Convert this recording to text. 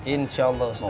insya allah ustadz